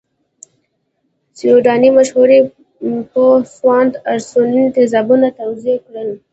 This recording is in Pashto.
سویډنۍ مشهور پوه سوانت ارینوس تیزابونه توضیح کړل.